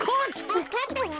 わかったわ。